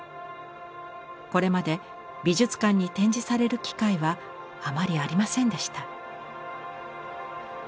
これまで美術館に展示される機会はあまりありませんでした。